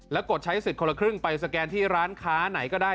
กดใช้สิทธิ์คนละครึ่งไปสแกนที่ร้านค้าไหนก็ได้